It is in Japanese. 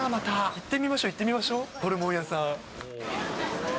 行ってみましょう、行ってみましょう、ホルモン屋さん。